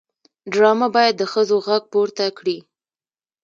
ډرامه باید د ښځو غږ پورته کړي